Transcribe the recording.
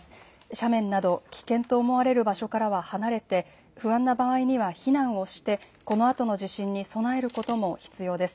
斜面など危険と思われる場所からは離れて不安な場合には避難をしてこのあとの地震に備えることも必要です。